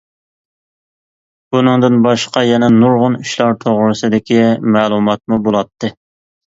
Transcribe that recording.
بۇنىڭدىن باشقا يەنە نۇرغۇن ئىشلار توغرىسىدىكى مەلۇماتمۇ بولاتتى.